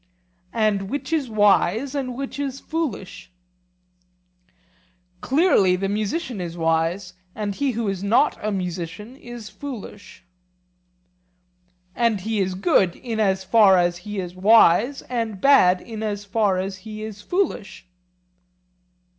And which is wise and which is foolish? Clearly the musician is wise, and he who is not a musician is foolish. And he is good in as far as he is wise, and bad in as far as he is foolish?